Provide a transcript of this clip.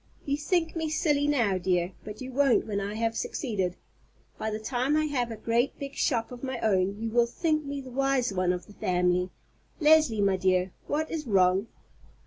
You think me silly now, dear, but you won't when I have succeeded. By the time I have a great big shop of my own you will think me the wise one of the family. Leslie, my dear, what is wrong?"